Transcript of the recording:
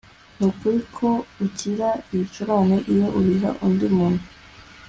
Nukuri ko ukira ibicurane iyo ubiha undi muntu